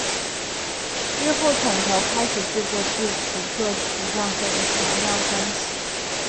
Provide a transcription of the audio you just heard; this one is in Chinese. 之后桶头开始制作自己作曲演奏的小样专辑。